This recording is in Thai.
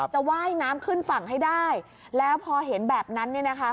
จะไหว้น้ำขึ้นฝั่งให้ได้แล้วพอเห็นแบบนั้น